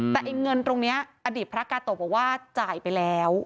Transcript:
แต่ไอ้เงินตรงนี้อดีตพระกาโตะบอกว่าจ่ายไปแล้ว